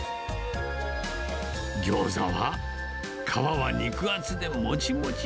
ギョーザは、皮は肉厚でもちもち。